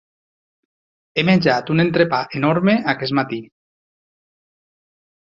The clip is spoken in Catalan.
He menjat un entrepà enorme aquest matí.